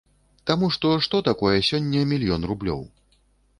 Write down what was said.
Таму што, што такое сёння мільён рублёў?